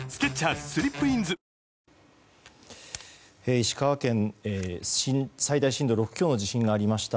石川県、最大震度６強の地震がありました。